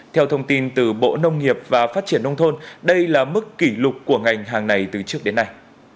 theo thông tin từ bộ nông nghiệp và phát triển nông thôn đây là mức kỷ lục của ngành hàng này từ trước đến nay